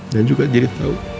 dan juga jadi tau